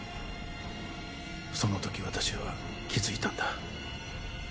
その時私は気づいたんだ。